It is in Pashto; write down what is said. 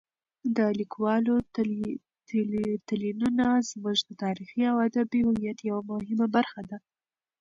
د لیکوالو تلینونه زموږ د تاریخي او ادبي هویت یوه مهمه برخه ده.